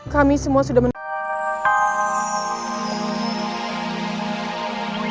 kami semua sudah menemui